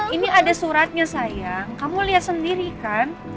ini ada suratnya sayang kamu lihat sendiri kan